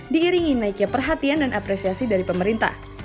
diiringi naiknya perhatian dan apresiasi dari pemerintah